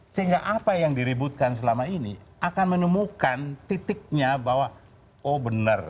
sehingga apa yang diributkan selama ini akan menemukan titiknya bahwa oh benar